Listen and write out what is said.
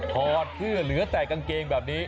ถอดเสื้อเหลือแต่กางเกงแบบนี้